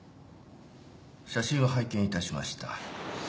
写真は拝見致しました。